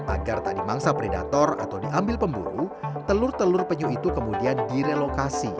agar tak dimangsa predator atau diambil pemburu telur telur penyu itu kemudian direlokasi